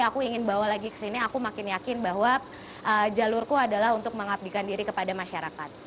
aku ingin bawa lagi ke sini aku makin yakin bahwa jalurku adalah untuk mengabdikan diri kepada masyarakat